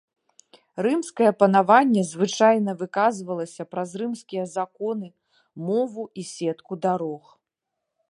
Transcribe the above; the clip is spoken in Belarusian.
Рымскае панаванне звычайна выказвалася праз рымскія законы, мову і сетку дарог.